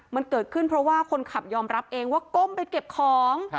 มันเกิดขึ้นเพราะว่าคนขับยอมรับเองว่าก้มไปเก็บของ